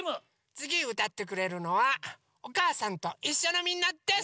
つぎうたってくれるのは「おかあさんといっしょ」のみんなです！